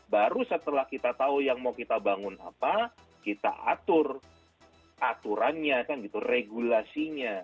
baru setelah kita tahu yang mau kita bangun apa kita atur aturannya kan gitu regulasinya